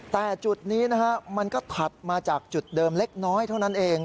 แต่จุดนี้นะฮะมันก็ถัดมาจากจุดเดิมเล็กน้อยเท่านั้นเอง